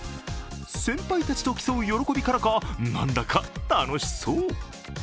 先輩たちと競う喜びからか、なんだか楽しそう。